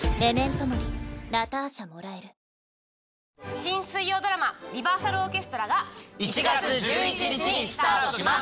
新水曜ドラマ、リバーサルオーケストラが、１月１１日にスタートします。